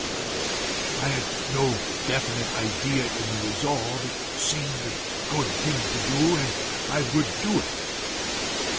I had no definite idea in the resolve; it seemed a good thing to do, and I would do it.